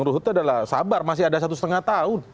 gerindra adalah sabar masih ada satu lima tahun